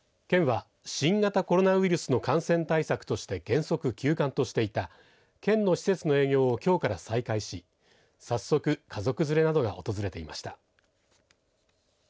県は新型コロナウイルスの感染対策として原則休館としていた県の施設の営業をきょうから再開し早速、家族連れなどが訪れていました。